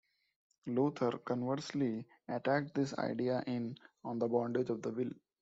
Luther, conversely, attacked this idea in "On the Bondage of the Will".